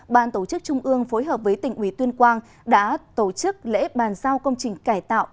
ban tổ chức trung ương phối hợp với tỉnh ủy tuyên quang đã tổ chức lễ bàn giao công trình cải tạo